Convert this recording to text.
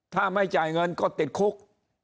ถ้าไม่จ่ายเงินก็ติดคุก